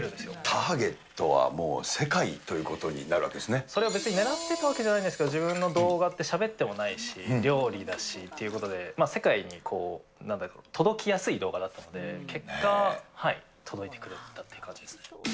ターゲットはもう、世界といそれは別にねらってたわけじゃないんですけど、自分の動画ってしゃべってもないし、料理だしということで、世界になんだろう、届きやすい動画だったので、結果、届いてくれたって感じです